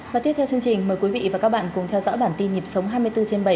và tiếp theo chương trình mời quý vị và các bạn cùng theo dõi bản tin nhịp sống hai mươi bốn trên bảy